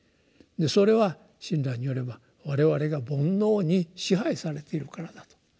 それは親鸞によれば我々が「煩悩」に支配されているからだと。